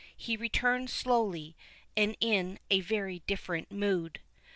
He returned slowly, and in a very different mood.